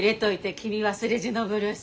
「君忘れじのブルース」。